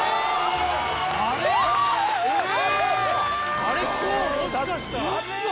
あれ？